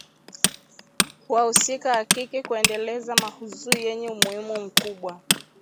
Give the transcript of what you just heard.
wahusika wa kike kuendeleza maudhui yenye umuhimu mkubwa